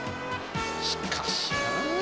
［しかしな］